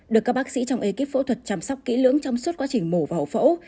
được các bác sĩ trong ekip phẫu thuật chăm sóc kỹ lưỡng trong suốt quá trình mổ và hậu phẫu